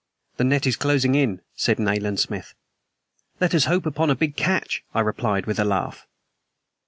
"The net is closing in," said Nayland Smith. "Let us hope upon a big catch," I replied, with a laugh.